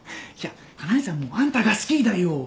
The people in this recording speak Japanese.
いや香苗さんもあんたが好きだよ。